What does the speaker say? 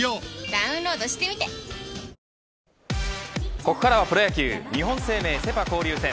ここからはプロ野球日本生命セ・パ交流戦。